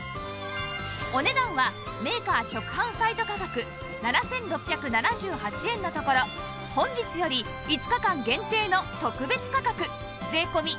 お値段はメーカー直販サイト価格７６７８円のところ本日より５日間限定の特別価格税込６４８０円